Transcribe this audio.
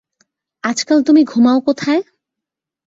আজকাল তুমি ঘুমাও কোথায়?